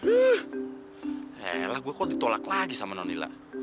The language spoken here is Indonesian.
eh elah gue kok ditolak lagi sama nonnila